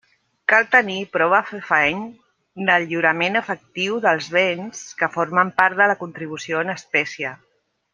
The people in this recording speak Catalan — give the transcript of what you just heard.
Cal tenir prova fefaent del lliurament efectiu dels béns que formen part de la contribució en espècie.